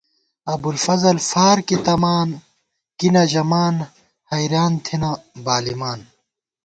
ابُوالفضل فارکی تمان کی نہ ژَمان حېریان تھنہ بالِمان